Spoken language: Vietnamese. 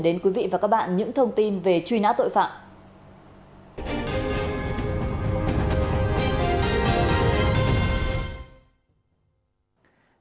xin chào quý vị và các bạn đang theo dõi tiểu mục lệnh truy nã của truyền hình công an nhân dân